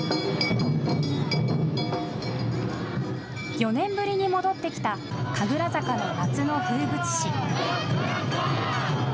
４年ぶりに戻ってきた神楽坂の夏の風物詩。